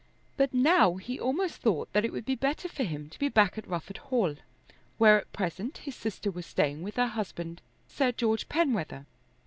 But now he almost thought that it would be better for him to be back at Rufford Hall, where at present his sister was staying with her husband, Sir George Penwether.